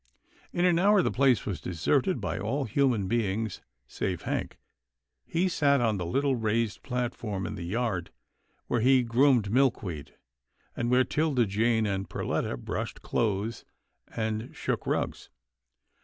In an hour the place was deserted by all human beings save Hank. He sat on the little raised plat form in the yard where he groomed Milkweed, and where 'Tilda Jane and Perletta brushed clothes and shook rugs.